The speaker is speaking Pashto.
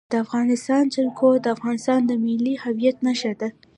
د افغانستان جلکو د افغانستان د ملي هویت نښه ده.